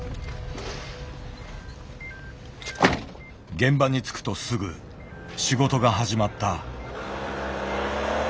現場に着くとすぐ仕事が始まった。